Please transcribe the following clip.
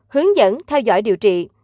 hướng dẫn theo dõi điều trị